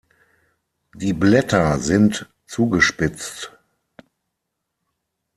Die Blätter sind zugespitzt.